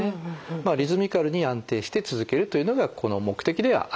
まあリズミカルに安定して続けるというのがこの目的ではありますから。